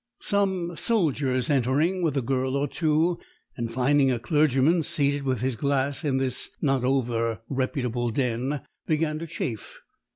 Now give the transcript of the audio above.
Some soldiers entering, with a girl or two, and finding a clergyman seated with his glass in this not over reputable den, began to chaff.